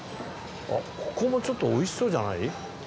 ここもちょっとおいしそうじゃない？